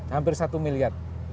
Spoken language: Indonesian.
hampir satu miliar